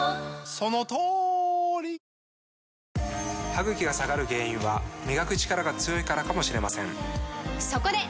歯ぐきが下がる原因は磨くチカラが強いからかもしれませんそこで！